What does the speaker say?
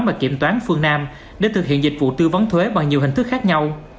và kiểm toán phương nam để thực hiện dịch vụ tư vấn thuế bằng nhiều hình thức khác nhau